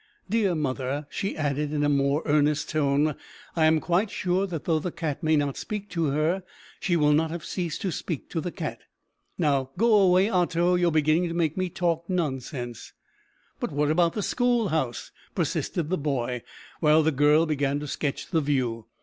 "Dear mother," she added, in a more earnest tone, "I am quite sure that though the cat may not speak to her, she will not have ceased to speak to the cat. Now, go away, Otto, you're beginning to make me talk nonsense." "But what about the schoolhouse?" persisted the boy, while the girl began to sketch the view.